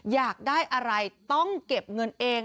อยากได้อะไรต้องเก็บเงินเอง